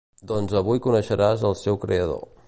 Doncs avui coneixeràs el seu creador.